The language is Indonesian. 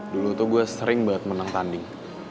dulu tuh gue sering banget menang tanding